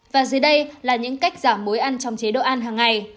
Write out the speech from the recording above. và dưới đây là những cách giảm muối ăn trong chế độ ăn hằng ngày